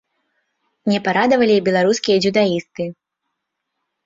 Не парадавалі і беларускія дзюдаісты.